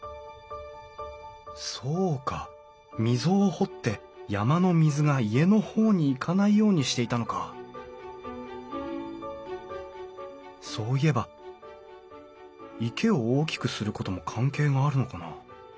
そうか溝を掘って山の水が家の方に行かないようにしていたのかそういえば池を大きくすることも関係があるのかな？